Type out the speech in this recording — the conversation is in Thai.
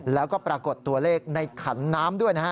แล้วก็ปรากฏตัวเลขในขันน้ำด้วยนะฮะ